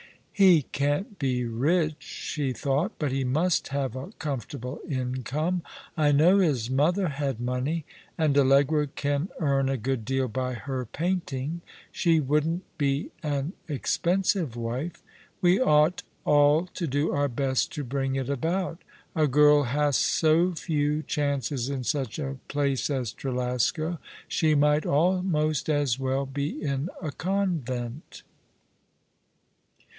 " He can't be rich," she thought, " but he must have a comfortable income. I know his mother had money. And Allegra can earn a good deal by her painting. She wouldn't be an expensive wife. We ought all to do our best to bring it about. A girl has so few chances in such a place as Trelasco. She might almost as well be in a convent."